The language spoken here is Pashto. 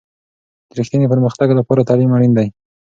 د رښتیني پرمختګ لپاره تعلیم اړین دی.